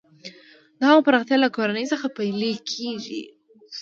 د هغو پراختیا له کورنۍ څخه پیل کیږي.